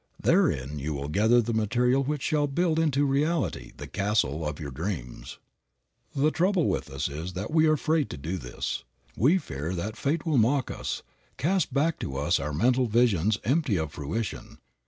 Therein you will gather the material which shall build into reality the castle of your dreams. The trouble with us is that we are afraid to do this. We fear that fate will mock us, cast back to us our mental visions empty of fruition.